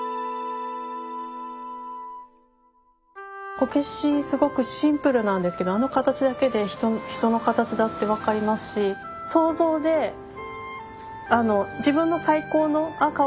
こけしすごくシンプルなんですけどあの形だけで人の形だって分かりますし想像で自分の最高の「あかわいらしい」と思うものを付加できる。